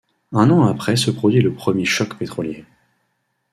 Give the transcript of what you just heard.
Un an après se produit le premier choc pétrolier.